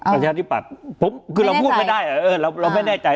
ประชาธิปัตย์คือเราพูดไม่ได้เราไม่แน่ใจ